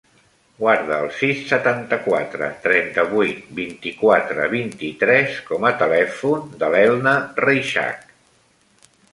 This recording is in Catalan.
Guarda el sis, setanta-quatre, trenta-vuit, vint-i-quatre, vint-i-tres com a telèfon de l'Elna Reixach.